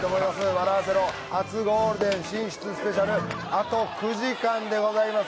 「笑アセろゴールデン初進出スペシャル」あと９時間でございます。